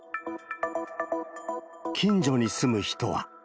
近所に住む人は。